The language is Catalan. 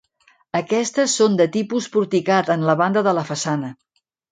Aquestes són de tipus porticat en la banda de la façana.